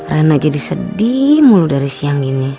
rena jadi sedih mulu dari siang gini